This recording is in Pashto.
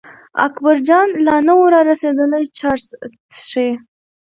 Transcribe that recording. اکبرجان لا نه و را رسېدلی چرس څښي.